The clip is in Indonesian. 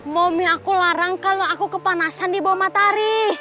mami aku larang kalau aku kepanasan di bawamatari